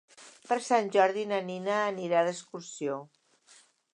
Per Sant Jordi na Nina anirà d'excursió.